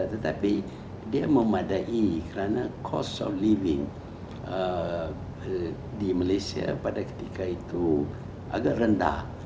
tetapi dia memadai karena cost of living di malaysia pada ketika itu agak rendah